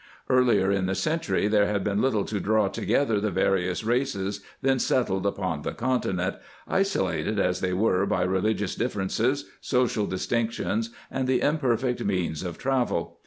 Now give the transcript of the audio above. Earlier in the century there had been little to draw together the various races then settled upon the continent, isolated as they were by religious differences, social distinctions, and the imperfect means of travel.